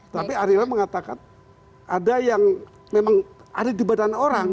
tapi ariella mengatakan ada yang memang ada di badan orang